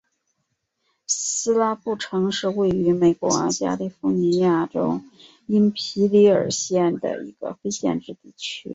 斯拉布城是位于美国加利福尼亚州因皮里尔县的一个非建制地区。